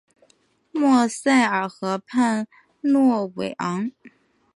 莫塞尔河畔诺韦昂。